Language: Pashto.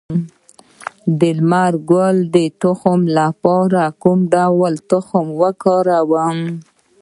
د لمر ګل د تخم لپاره کوم ډول تخم وکاروم؟